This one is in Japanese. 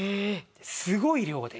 すごい量で。